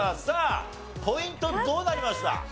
さあポイントどうなりました？